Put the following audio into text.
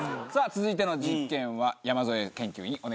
さぁ続いての実験は山添研究員